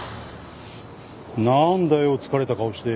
なんだよ疲れた顔して。